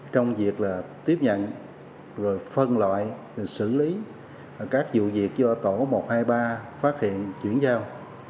trong việc tiếp nhận rồi phân loại xử lý các vụ việc do tổ một trăm hai mươi ba phát hiện chuyển giao